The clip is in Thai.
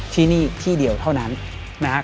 ที่นี่ที่เดียวเท่านั้นนะครับ